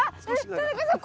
田中さん